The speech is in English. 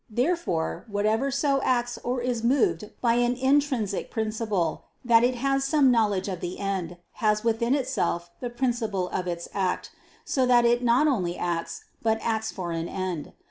Therefore, whatever so acts or is moved by an intrinsic principle, that it has some knowledge of the end, has within itself the principle of its act, so that it not only acts, but acts for an end.